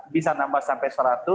bisa nambah sampai seratus